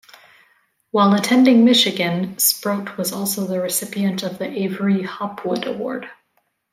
While attending Michigan, Sproat was also the recipient of the Avery Hopwood Award.